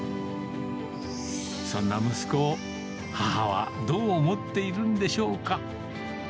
そんな息子を母はどう思っているんでしょうか。